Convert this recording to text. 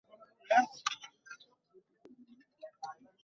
সরকার যদি মনে করে প্রয়োজনে নারীদের জন্য আলাদা ব্যাংক করা হবে।